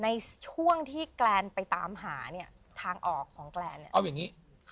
ในช่วงที่แกลนไปตามหาเนี่ยทางออกของแกลนเนี่ย